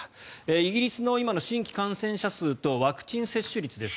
イギリスの今の新規感染者数とワクチン接種率です。